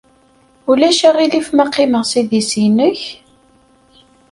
Ulac aɣilif ma qqimeɣ s idis-nnek?